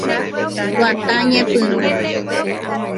Guata Ñepyrũ.